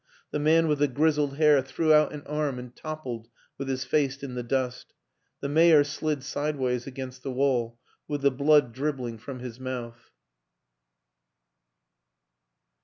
... The man with the grizzled hair threw out an arm and toppled with his face in the dust; the mayor slid sideways against the wall with the blood dribbling from his mouth.